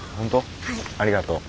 ありがとう。